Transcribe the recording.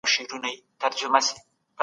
هغه شل مصرفوي.